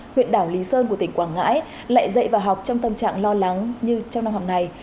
huyện đảo lý sơn của tỉnh quảng ngãi lại dạy vào học trong tâm trạng lo lắng như trong năm học này